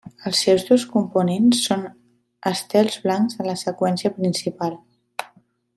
Els seus dos components són estels blancs de la seqüència principal.